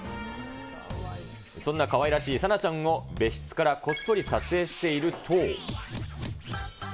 そんなかわいらしいサナちゃんを別室からこっそり撮影していると。